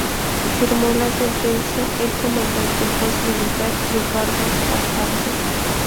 Firmó la sentencia el comandante juez militar Ricardo Fajardo.